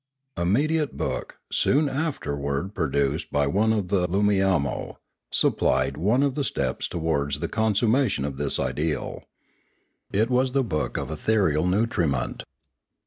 A mediate book, soon afterward produced by one of the Loomiamo, supplied one of the steps towards the consummation of this ideal. It was the book of Ethe real Nutriment.